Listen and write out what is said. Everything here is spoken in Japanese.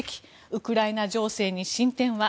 ウクライナ情勢に進展は？